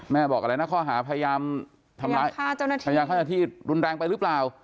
แม่บอกอะไรนะข้อหาพยายามทรงแรงไปรึเปล่า